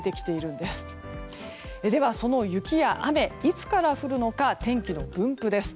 では、その雪や雨いつから降るのか天気の分布です。